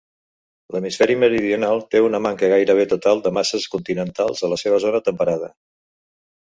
L'hemisferi meridional té una manca gairebé total de masses continentals a la seva zona temperada.